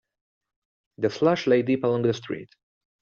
The slush lay deep along the street.